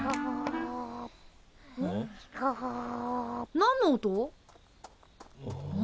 何の音？ん？